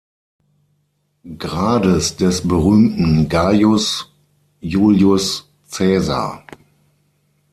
Grades des berühmten Gaius Iulius Caesar.